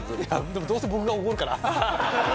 でもどうせ僕がおごるから。